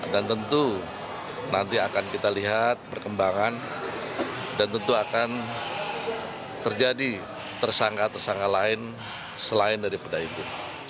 dan tentu nanti akan kita lihat perkembangan dan tentu akan terjadi tersangka tersangka lain selain daripada itu